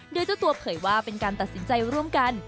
โดยเจ้าตัวเผยว่าเป็นการตัดสินใจร่วมกัน